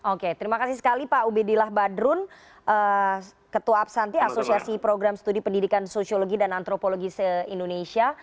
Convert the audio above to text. oke terima kasih sekali pak ubedillah badrun ketua absanti asosiasi program studi pendidikan sosiologi dan antropologi se indonesia